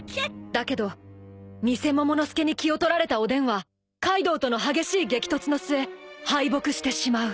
［だけど偽モモの助に気を取られたおでんはカイドウとの激しい激突の末敗北してしまう］